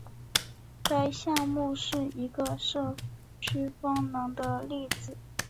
该项目是一个社区风能的例子。